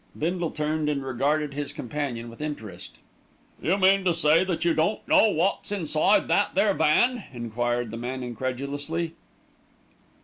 Bindle turned and regarded his companion with interest. "You mean to say you don't know wot's inside that there van?" enquired the man incredulously.